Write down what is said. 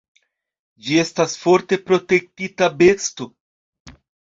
Ĝi estas forte protektita besto.